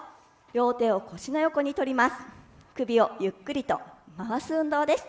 両手を腰の横にとります。